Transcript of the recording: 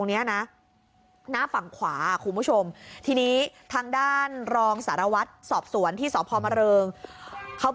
เนี้ยเนี้ยตรงเนี้ยนะ